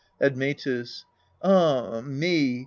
Admetus. Ah me